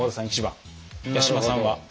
八嶋さんは？